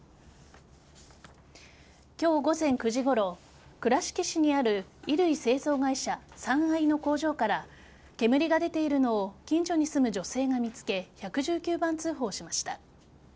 今日午前９時ごろ倉敷市にある衣類製造会社三愛の工場から煙が出ているのを近所に住む女性が見つけ１１９番通報しました。